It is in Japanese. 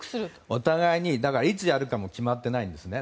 お互いに、いつやるかも決まっていないんですね。